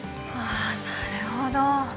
ああなるほど。